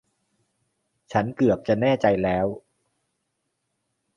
ฉันเกือบจะแน่ใจแล้ว